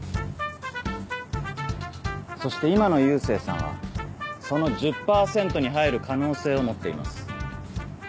そして今の佑星さんはその１０％に入る可能性を持っています。